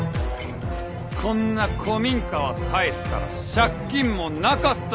こんな古民家は返すから借金もなかった事にしてもらう。